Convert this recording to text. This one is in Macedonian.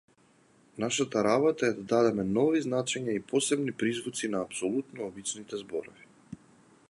Нашата работа е да дадеме нови значења и посебни призвуци на апсолутно обичните зборови.